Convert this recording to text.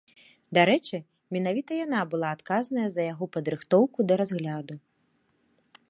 Дарэчы, менавіта яна была адказная за яго падрыхтоўку да разгляду.